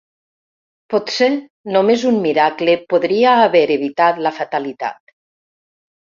Potser només un miracle podria haver evitar la fatalitat.